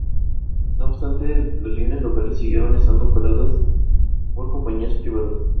No obstante, las líneas locales siguieron estando operadas por compañías privadas.